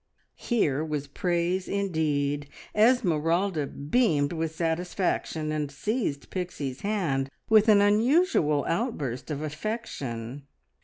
Here was praise indeed! Esmeralda beamed with satisfaction, and seized Pixie's hand with an unusual outburst of affection.